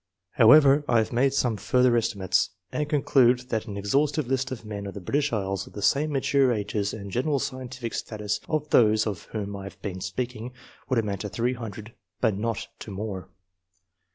However, I have madcj some furtlier estimates, and conclude that an exhaustive list of men of the British Isles, of the same mature ages and general scientific status as those of whom I have been speaking, would amount to 300, but not to more.